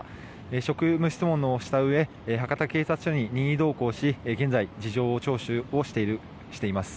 職務質問をしたうえ博多警察署に任意同行し現在、事情を聴取しています。